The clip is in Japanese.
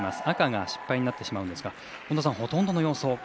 赤が失敗になってしまうんですがほとんどの要素